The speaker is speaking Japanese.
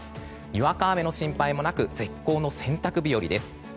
にわか雨の心配もなく絶好の洗濯日和です。